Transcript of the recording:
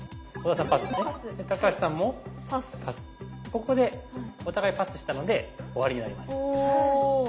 ここでお互いパスしたので終わりになります。